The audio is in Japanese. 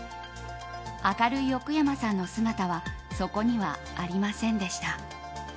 明るい奥山さんの姿はそこにはありませんでした。